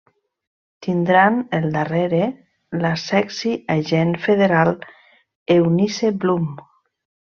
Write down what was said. Tindran al darrere la sexy agent federal Eunice Bloom.